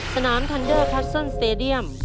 สนามทันเดอร์คัสเซิลสเตดียม